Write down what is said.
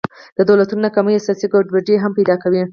د دولتونو ناکامي او سیاسي ګډوډۍ هم پیدا کوي.